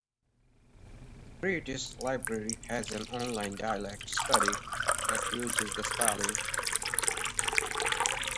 The British Library has an online dialect study that uses the spelling.